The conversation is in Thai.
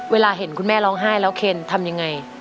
เวลาเห็นคุณแม่ร้องไห้แล้วเคนทำอย่างไร